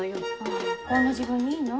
あこんな時分にいいの？